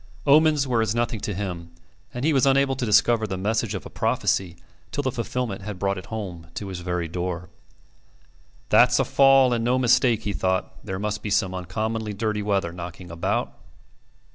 Omens were as nothing to him, and he was unable to discover the message of a prophecy till the fulfilment had brought it home to his very door. "That's a fall, and no mistake," he thought. "There must be some uncommonly dirty weather knocking about."